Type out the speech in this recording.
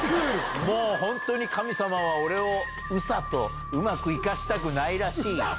もう本当神様は俺をうさとうまくいかしたくないらしい。